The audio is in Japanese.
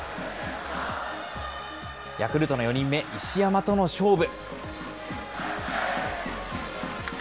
ヤクルトの４人目、石山との勝負。